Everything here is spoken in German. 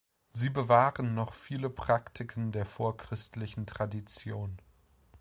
Sie bewahren noch viele Praktiken der vorchristlichen Tradition.